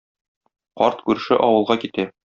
Карт күрше авылга китә.